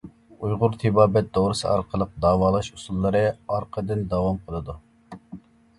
ئۇيغۇر تېبابەت دورىسى ئارقىلىق داۋالاش ئۇسۇللىرى ئارقىدىن داۋام قىلىدۇ.